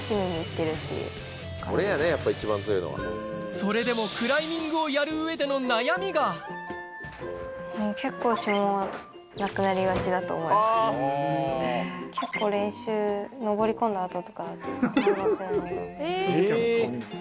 それでもクライミングをやる上での結構練習登り込んだ後とか。